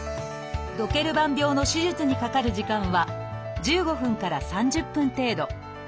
ドケルバン病の手術にかかる時間は１５分から３０分程度。